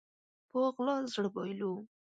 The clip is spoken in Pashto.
په غلا زړه بايلو